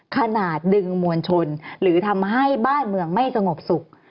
ขนาดดึงมวลชนหรือทำให้บ้านเมืองไม่สงบสุข